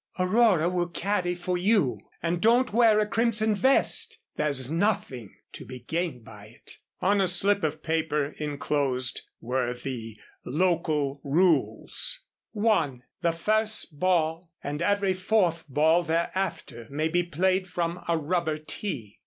"Aurora will caddy for you; and don't wear a crimson vest there's nothing to be gained by it." On a slip of paper enclosed were the local rules: (1) The first ball and every fourth ball thereafter may be played from a rubber tee.